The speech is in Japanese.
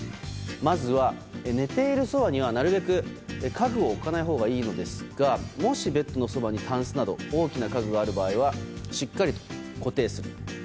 まずは、寝ているそばにはなるべく家具を置かないほうがいいのですがもしベッドのそばにたんすなど大きな家具がある場合はしっかりと固定する。